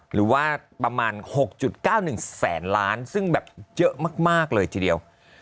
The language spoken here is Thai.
หรือว่าประมาณ๖๙๑แสนล้านซึ่งแบบเยอะมากเลยทีเดียว